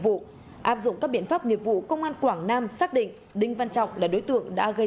vụ áp dụng các biện pháp nghiệp vụ công an quảng nam xác định đinh văn trọng là đối tượng đã gây